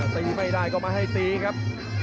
ตีไม่ได้ก็ไม่ให้ตีครับ